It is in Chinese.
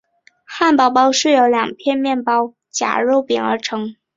汉堡包是由两片面包夹肉饼而成。